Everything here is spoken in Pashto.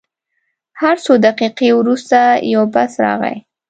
هر څو دقیقې وروسته یو بس راغی.